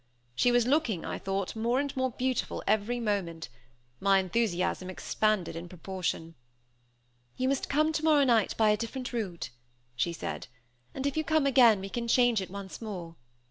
She was looking, I thought, more and more beautiful every moment. My enthusiasm expanded in proportion. "You must come tomorrow night by a different route," she said; "and if you come again, we can change it once more.